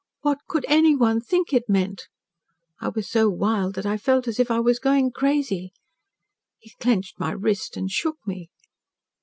What could anyone think it meant?' I was so wild that I felt as if I was going crazy. He clenched my wrist and shook me.